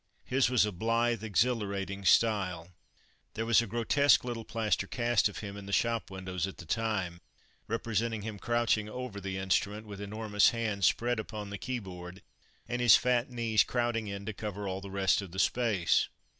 His was a blithe, exhilarating style. There was a grotesque little plaster cast of him in the shop windows at the time, representing him crouching over the instrument, with enormous hands spread upon the keyboard, and his fat knees crowding in to cover all the rest of the space.